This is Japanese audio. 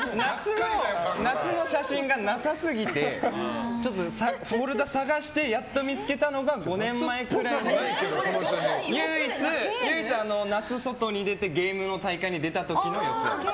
夏の写真がなさすぎてフォルダを探してやっと見つけたのが５年前くらいの唯一、夏、外に出てゲームの大会に出た時の四谷です。